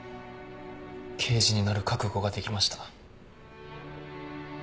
刑事になる覚悟ができました。